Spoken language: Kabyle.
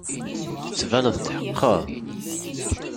Tettbaneḍ tetḥeqqeqeḍ.